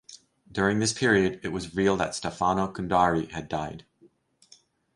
During this period, it was revealed that Stefano Cundari had died.